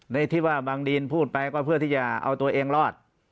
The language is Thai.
ในที่ว่าบางดีนพูดไปก็เพื่อที่จะเอาตัวเองรอด